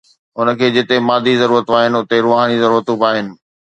هن کي جتي مادي ضرورتون آهن، اتي روحاني ضرورتون به آهن.